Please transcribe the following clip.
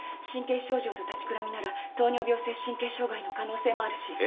神経症状と立ちくらみなら糖尿病性神経障害の可能性もあるし。